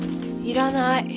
いらない。